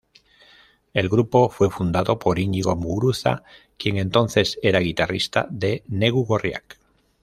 El grupo fue fundado por Iñigo Muguruza, quien entonces era guitarrista de Negu Gorriak.